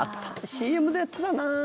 ＣＭでやってたな。